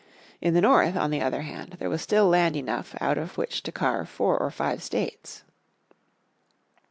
In the north on the other hand there was still land enough out of which to carve four or five states.